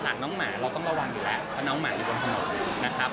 น้องหมาเราต้องระวังอยู่แล้วเพราะน้องหมาอยู่บนถนนนะครับ